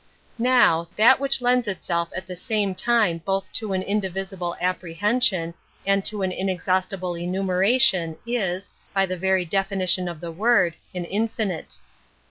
Now, that which lends itself at the same time both to an indivisible apprehension and to an inexhaustible enumeration is, by the very ■ definition of the word, an infinite.